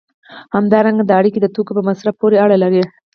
همدارنګه دا اړیکې د توکو په مصرف پورې اړه لري.